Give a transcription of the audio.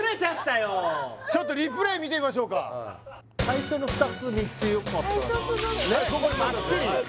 ちょっとリプレイ見てみましょうか最初の２つ３つよかった最初すごいねえ